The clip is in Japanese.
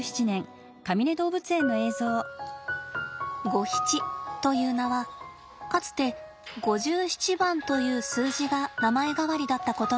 「ゴヒチ」という名はかつて５７番という数字が名前代わりだったことに由来します。